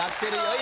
今。